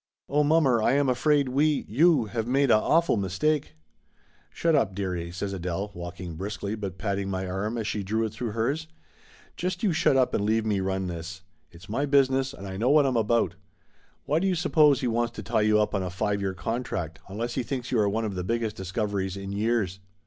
Oh, mommer, I am afraid we you have made a awful mistake !" "Shut up, dearie!" says Adele, walking briskly but patting my arm as she drew it through hers. "Just you shut up and leave me run this. It's my business and I know what I'm about. Why do you suppose he wants to tie you up on a five year contract, unless he thinks you are one of the biggest discoveries in years